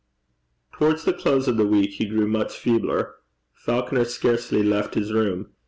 Towards the close of the week, he grew much feebler. Falconer scarcely left his room.